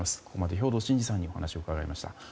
ここまで兵頭慎治さんにお話を伺いました。